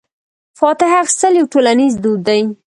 فاتحه اخیستل یو ټولنیز دود دی.